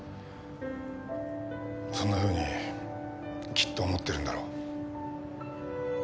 そんなふうにきっと思ってるんだろう。